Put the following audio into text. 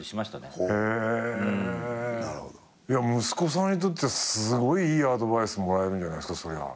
息子さんにとってはすごいいいアドバイスもらえるんじゃないですか。